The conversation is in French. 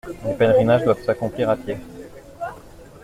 Les pèlerinages doivent s'accomplir à pied.